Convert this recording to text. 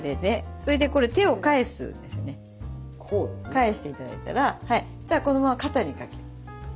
返して頂いたらそしたらこのまま肩にかける。